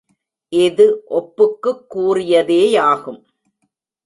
இது ஒப்புக்குக் கூறியதேயாகும்.